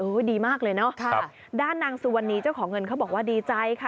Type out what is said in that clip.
ดีมากเลยเนอะค่ะด้านนางสุวรรณีเจ้าของเงินเขาบอกว่าดีใจค่ะ